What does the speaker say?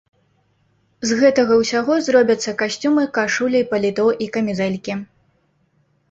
З гэтага ўсяго зробяцца касцюмы, кашулі, паліто і камізэлькі.